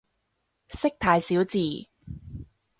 識太少字